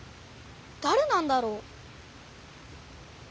だれなんだろう？